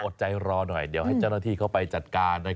ใจรอหน่อยเดี๋ยวให้เจ้าหน้าที่เข้าไปจัดการ